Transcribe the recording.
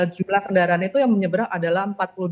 jumlah kendaraan itu yang menyeberang adalah empat puluh dua